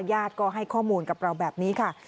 ญาติก็ให้ข้อมูลกับเราแบบนี้ค่ะ